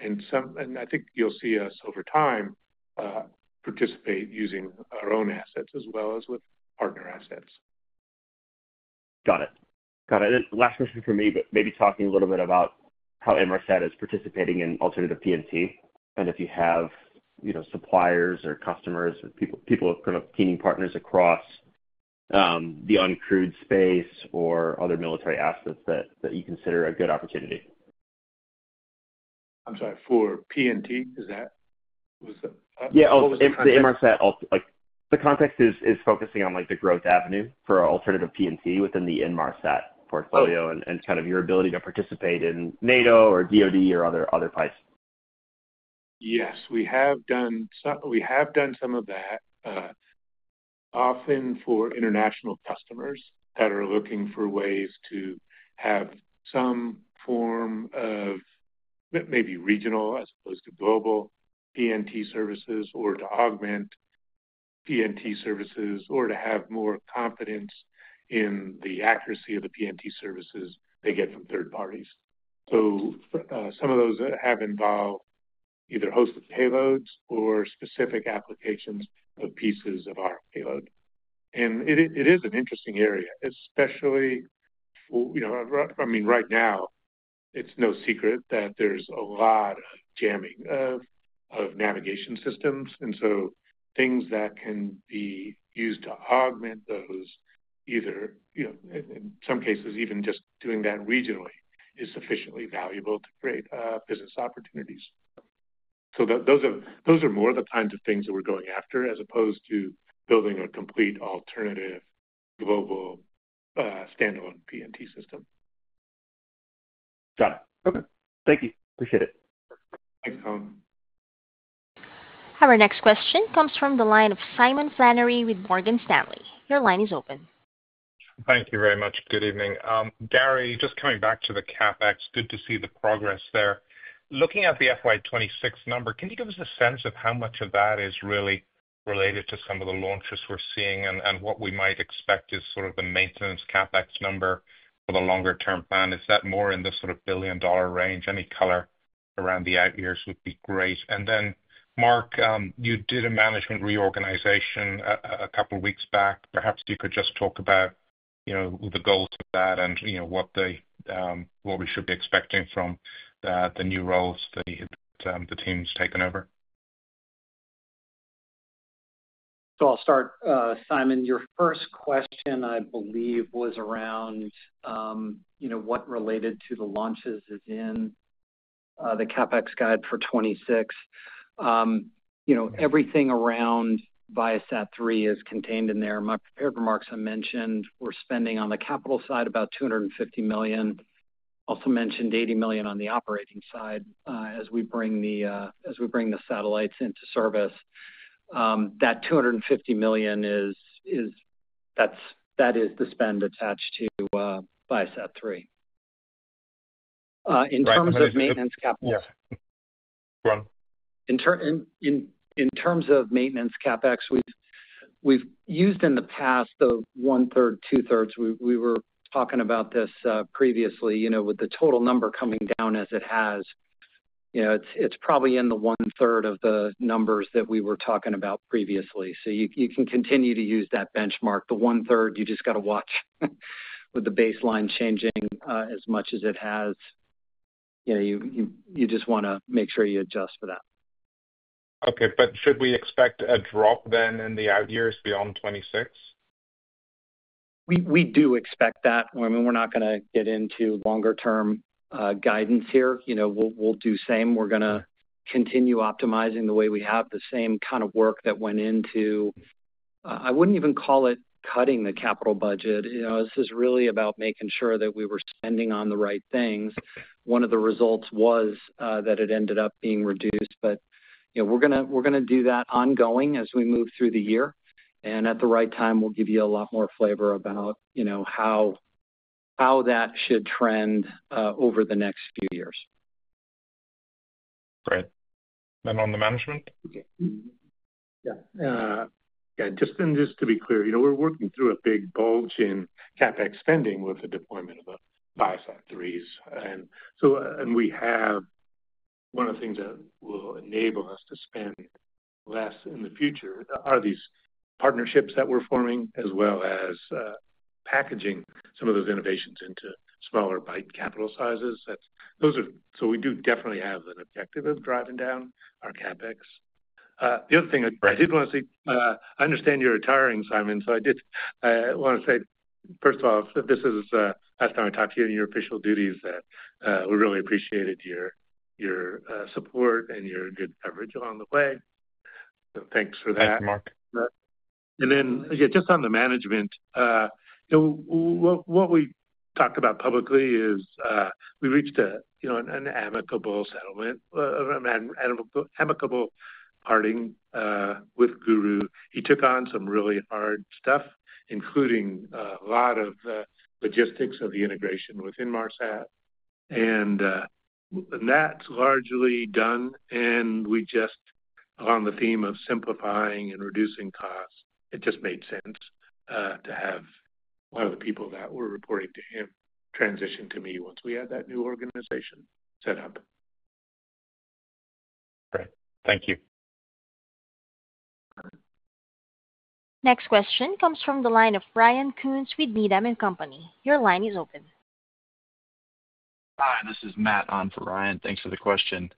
and I think you'll see us over time participate using our own assets as well as with partner assets. Got it. Got it. And last question for me, but maybe talking a little bit about how Inmarsat is participating in alternative P&T. And if you have suppliers or customers or people of kind of teaming partners across the uncrewed space or other military assets that you consider a good opportunity. I'm sorry. For P&T, is that? Yeah. The Inmarsat, the context is focusing on the growth avenue for alternative P&T within the Inmarsat portfolio and kind of your ability to participate in NATO or DOD or other primes. Yes. We have done some of that, often for international customers that are looking for ways to have some form of maybe regional as opposed to global P&T services or to augment P&T services or to have more confidence in the accuracy of the P&T services they get from third parties. So some of those have involved either hosted payloads or specific applications of pieces of our payload. And it is an interesting area, especially for, I mean, right now, it's no secret that there's a lot of jamming of navigation systems. And so things that can be used to augment those, either in some cases, even just doing that regionally, is sufficiently valuable to create business opportunities. So those are more of the kinds of things that we're going after as opposed to building a complete alternative global standalone P&T system. Got it. Okay. Thank you. Appreciate it. Thanks, Colin. Our next question comes from the line of Simon Flannery with Morgan Stanley. Your line is open. Thank you very much. Good evening. Gary, just coming back to the CapEx, good to see the progress there. Looking at the FY26 number, can you give us a sense of how much of that is really related to some of the launches we're seeing and what we might expect is sort of the maintenance CapEx number for the longer-term plan? Is that more in the sort of billion-dollar range? Any color around the out years would be great. And then, Mark, you did a management reorganization a couple of weeks back. Perhaps you could just talk about the goals of that and what we should be expecting from the new roles that the team's taken over. So I'll start, Simon. Your first question, I believe, was around what related to the launches is in the CapEx guide for 2026. Everything around ViaSat-3 is contained in there. In my prepared remarks, I mentioned we're spending on the capital side about $250 million. Also mentioned $80 million on the operating side as we bring the satellites into service. That $250 million, that is the spend attached to ViaSat-3. In terms of maintenance capital. Yes. Go on. In terms of maintenance CapEx, we've used in the past the one-third, two-thirds. We were talking about this previously. With the total number coming down as it has, it's probably in the one-third of the numbers that we were talking about previously. So you can continue to use that benchmark. The one-third, you just got to watch with the baseline changing as much as it has. You just want to make sure you adjust for that. Okay. But should we expect a drop then in the out years beyond 2026? We do expect that. I mean, we're not going to get into longer-term guidance here. We'll do same. We're going to continue optimizing the way we have the same kind of work that went into I wouldn't even call it cutting the capital budget. This is really about making sure that we were spending on the right things. One of the results was that it ended up being reduced. But we're going to do that ongoing as we move through the year. And at the right time, we'll give you a lot more flavor about how that should trend over the next few years. Great. And on the management? Yeah. Just to be clear, we're working through a big bulge in CapEx spending with the deployment of the ViaSat-3s. We have one of the things that will enable us to spend less in the future are these partnerships that we're forming as well as packaging some of those innovations into smaller bite capital sizes. We do definitely have an objective of driving down our CapEx. The other thing I did want to say, I understand you're retiring, Simon, so I did want to say, first of all, this is the last time I talk to you in your official duties. We really appreciated your support and your good coverage along the way. So thanks for that. Thank you, Mark. Again, just on the management, what we talked about publicly is we reached an amicable settlement, an amicable parting with Guru. He took on some really hard stuff, including a lot of the logistics of the integration within Inmarsat. And that's largely done. And we just, on the theme of simplifying and reducing costs, it just made sense to have one of the people that were reporting to him transition to me once we had that new organization set up. Great. Thank you. Next question comes from the line of Ryan Koontz with Needham & Company. Your line is open. Hi, this is Matt on for Ryan. Thanks for the question.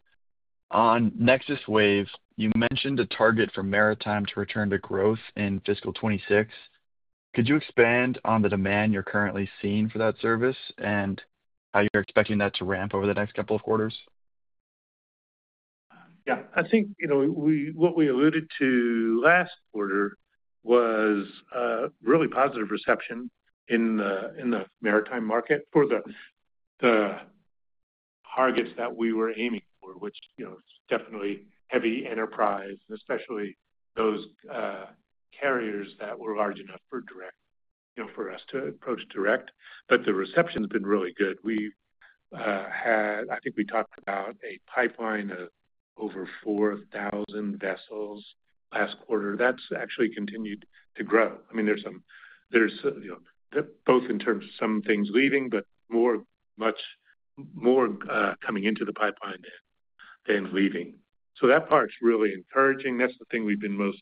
On NexusWave, you mentioned a target for maritime to return to growth in fiscal 2026. Could you expand on the demand you're currently seeing for that service and how you're expecting that to ramp over the next couple of quarters? Yeah. I think what we alluded to last quarter was really positive reception in the maritime market for the targets that we were aiming for, which is definitely heavy enterprise, especially those carriers that were large enough for us to approach direct, but the reception has been really good. I think we talked about a pipeline of over 4,000 vessels last quarter. That's actually continued to grow. I mean, there's both in terms of some things leaving, but more coming into the pipeline than leaving, so that part's really encouraging. That's the thing we've been most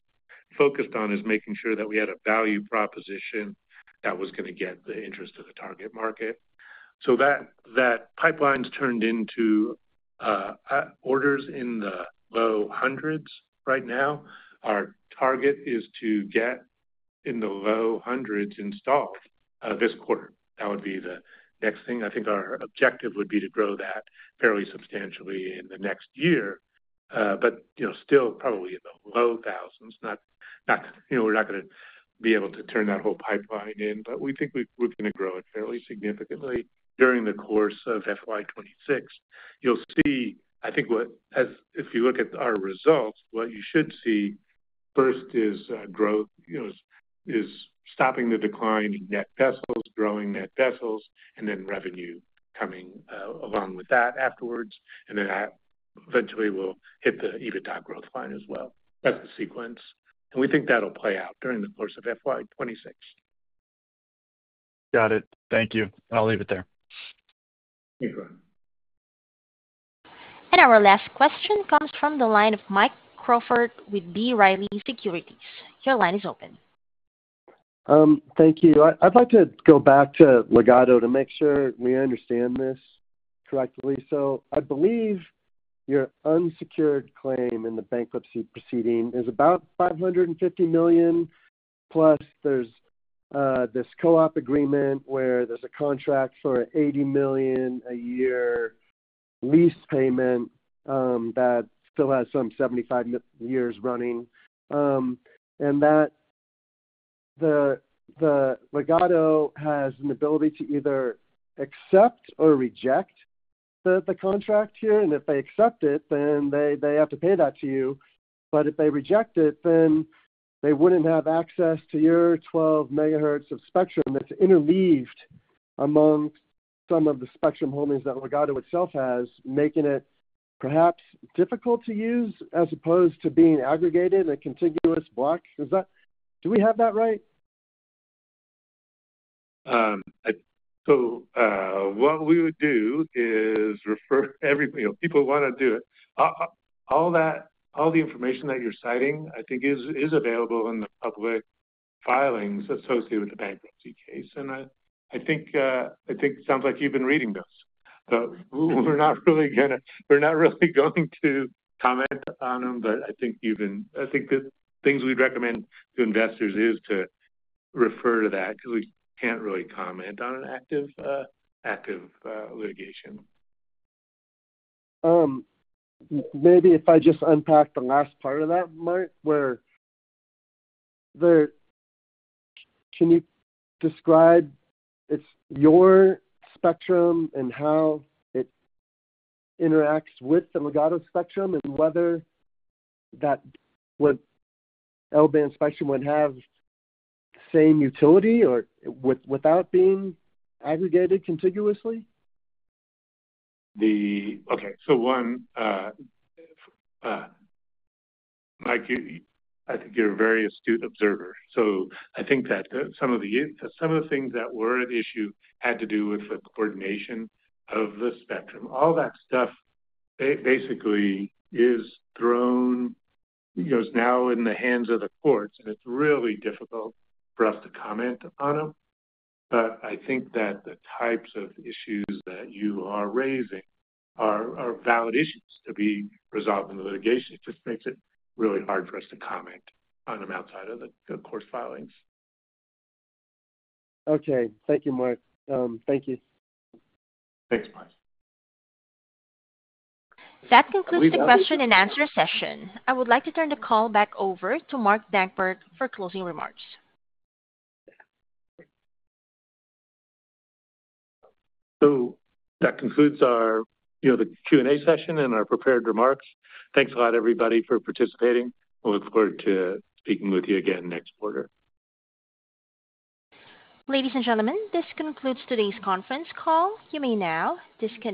focused on is making sure that we had a value proposition that was going to get the interest of the target market, so that pipeline's turned into orders in the low hundreds right now. Our target is to get in the low hundreds installed this quarter. That would be the next thing. I think our objective would be to grow that fairly substantially in the next year, but still probably in the low thousands. We're not going to be able to turn that whole pipeline in, but we think we're going to grow it fairly significantly during the course of FY26. You'll see, I think, if you look at our results, what you should see first is growth, stopping the decline in net vessels, growing net vessels, and then revenue coming along with that afterwards. And then eventually, we'll hit the EBITDA growth line as well. That's the sequence. And we think that'll play out during the course of FY26. Got it. Thank you. I'll leave it there. Thank you, Ryan. And our last question comes from the line of Mike Crawford with B. Riley Securities. Your line is open. Thank you. I'd like to go back to Ligado to make sure we understand this correctly. So I believe your unsecured claim in the bankruptcy proceeding is about $550 million. Plus, there's this co-op agreement where there's a contract for an $80 million a year lease payment that still has some 75 years running. And the Ligado has an ability to either accept or reject the contract here. And if they accept it, then they have to pay that to you. But if they reject it, then they wouldn't have access to your 12 megahertz of spectrum that's interleaved amongst some of the spectrum holdings that Ligado itself has, making it perhaps difficult to use as opposed to being aggregated in a contiguous block. Do we have that right? So what we would do is refer everybody if people want to do it. All the information that you're citing, I think, is available in the public filings associated with the bankruptcy case. I think it sounds like you've been reading those. But we're not really going to comment on them. I think the things we'd recommend to investors is to refer to that because we can't really comment on an active litigation. Maybe if I just unpack the last part of that, Mark, where can you describe your spectrum and how it interacts with the Ligado spectrum and whether that L-band spectrum would have the same utility or without being aggregated contiguously? Okay. So one, Mike, I think you're a very astute observer. So I think that some of the things that were at issue had to do with the coordination of the spectrum. All that stuff basically is thrown, it's now in the hands of the courts. And it's really difficult for us to comment on them. But I think that the types of issues that you are raising are valid issues to be resolved in the litigation. It just makes it really hard for us to comment on them outside of the court filings. Okay. Thank you, Mark. Thank you. Thanks, Mike. That concludes the question and answer session. I would like to turn the call back over to Mark Dankberg for closing remarks. So that concludes the Q&A session and our prepared remarks. Thanks a lot, everybody, for participating. We look forward to speaking with you again next quarter. Ladies and gentlemen, this concludes today's conference call. You may now disconnect.